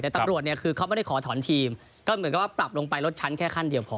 แต่ตำรวจเนี่ยคือเขาไม่ได้ขอถอนทีมก็เหมือนกับว่าปรับลงไปลดชั้นแค่ขั้นเดียวพอ